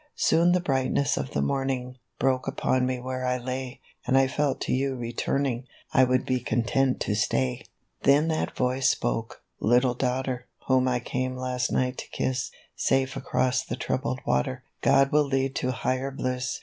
44 Soon the brightness of the morning Broke upon me where I lay, And I felt to you returning, I would be content to stay; 30 A KUN ON THE BEACH. " Then that voice spoke : 4 Little daughter, Whom I came last night to kiss, Safe across the troubled water, God will lead to higher bliss.